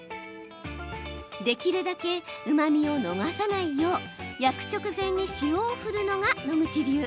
できるだけうまみを逃さないよう焼く直前に塩を振るのが野口流。